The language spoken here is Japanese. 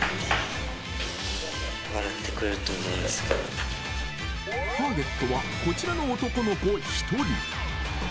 ［ターゲットはこちらの男の子１人］